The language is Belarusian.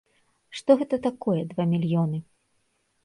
Што гэта такое два мільёны?